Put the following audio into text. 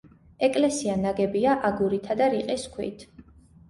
ეკლესია ნაგებია აგურითა და რიყის ქვით.